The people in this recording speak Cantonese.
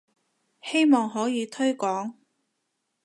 希望可以推廣